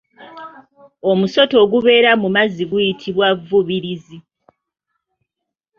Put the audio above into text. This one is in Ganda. Omusota ogubeera mu amazzi guyitibwa Vvubirizi.